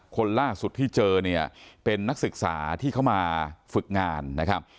คนล่าสุดที่เจอเนี่ยเป็นนักศึกษาที่เข้ามาฝึกงานนะครับ